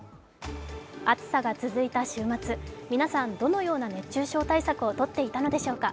暑さが続いた週末、皆さんどのような熱中症対策をとっていたのでしょうか。